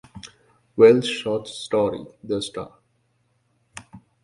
Wells' short story, "The Star".